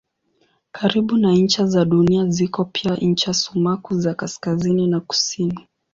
Karibu na ncha za Dunia ziko pia ncha sumaku za kaskazini na kusini.